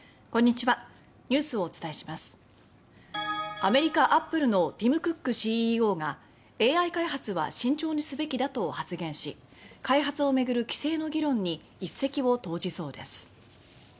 アメリカ、アップルのティム・クックＣＥＯが「ＡＩ開発は慎重にすべきだ」と発言し開発を巡る規制の議論に一石を投じそうです。